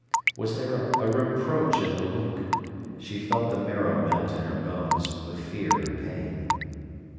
Was there a reproach in the look? She felt the marrow melt in her bones, with fear and pain.